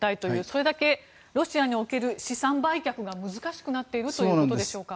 それだけロシアにおける資産売却が難しくなっているということでしょうか。